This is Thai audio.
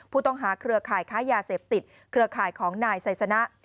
เครือข่ายค้ายาเสพติดเครือข่ายของนายไซสนะ